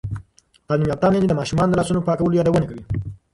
تعلیم یافته میندې د ماشومانو د لاسونو پاکولو یادونه کوي.